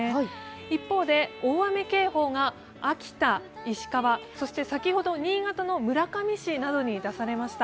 一方で、大雨警報が秋田、石川、そして先ほど新潟の村上市などに出されました。